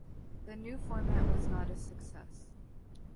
The new format was not a success.